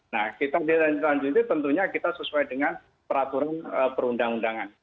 nah kita dilanjutan tentunya kita sesuai dengan peraturan perundang undangan